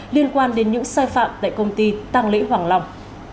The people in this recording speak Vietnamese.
liên quan đến những sai phạm tại công ty tăng lễ hoàng long